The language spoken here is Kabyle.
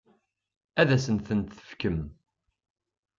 Ad asent-t-tefkem?